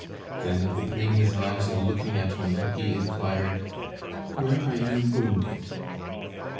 Then, opening his eyes and looking at me, he inquired "Where are you wounded?"